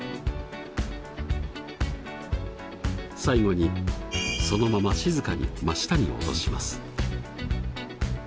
最後にそのまま静かに真下に落とします。